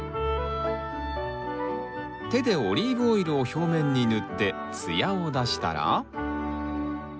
手でオリーブオイルを表面に塗って艶を出したら。